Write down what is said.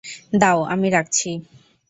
দাও আমি রাখছি।